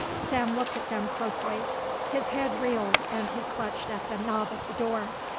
Sam looked at them closely. His head reeled and he clutched at the knob of the door.